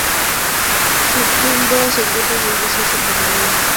Su tumba se encuentra en la Iglesia de Santa María en Wolfenbüttel.